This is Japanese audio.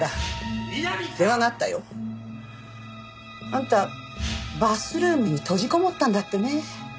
あんたバスルームに閉じこもったんだってね？